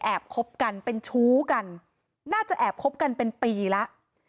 คบกันเป็นชู้กันน่าจะแอบคบกันเป็นปีแล้ว